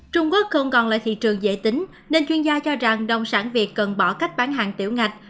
trung quốc không còn là thị trường dễ tính nên chuyên gia cho rằng nông sản việt cần bỏ cách bán hàng tiểu ngạch